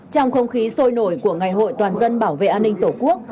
trong không khí sôi nổi của ngày hội toàn dân bảo vệ an ninh tổ quốc